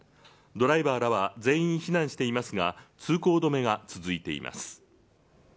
ドライバーらは全員避難していますが、通行止めが続いています。